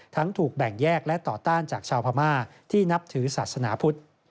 ถูกแบ่งแยกและต่อต้านจากชาวพม่าที่นับถือศาสนาพุทธ